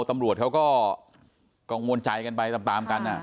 ตำรวจเขาก็กังวลใจกันไปตามกัน